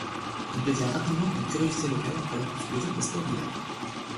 Il devient rapidement une curiosité locale alors que se développent les sports d'hiver.